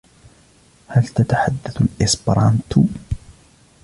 هل تتحدث الإسبرانتو؟